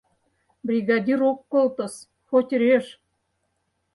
Бригадир ок колтыс, хоть режь!